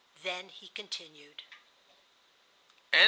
Then he continued.